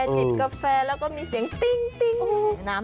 จิบกาแฟแล้วก็มีเสียงติ้ง